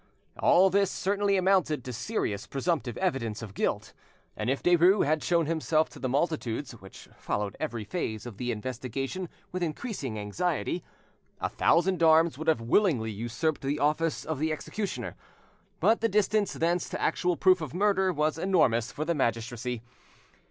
All this certainly amounted to serious presumptive evidence of guilt, and if Derues had shown himself to the multitude, which followed every phase of the investigation with increasing anxiety, a thousand arms would have willingly usurped the office of the executioner; but the distance thence to actual proof of murder was enormous for the magistracy.